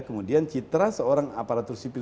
kemudian citra seorang aparatur sipil